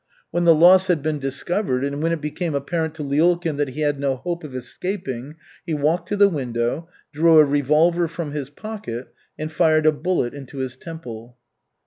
When the loss had been discovered, and when it became apparent to Lyulkin that he had no hope of escaping, he walked to the window, drew a revolver from his pocket, and fired a bullet into his temple.